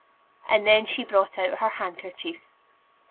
And then she brought out her handkerchief.